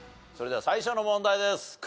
それでは最初の問題です。